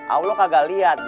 allah kagak liat